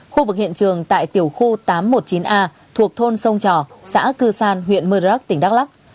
khu vực hiện trường tại tiểu khu tám trăm một mươi chín a thuộc thôn sông trò xã cư san huyện maroc tỉnh đắk lắk